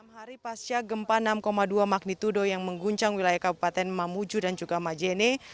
enam hari pasca gempa enam dua magnitudo yang mengguncang wilayah kabupaten mamuju dan juga majene